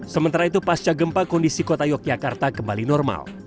sementara itu pasca gempa kondisi kota yogyakarta kembali normal